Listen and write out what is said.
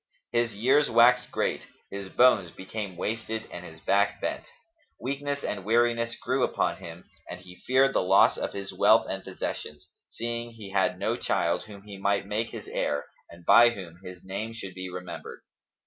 His years waxed great; his bones became wasted and his back bent; weakness and weariness grew upon him, and he feared the loss of his wealth and possessions, seeing he had no child whom he might make his heir and by whom his name should be remembered.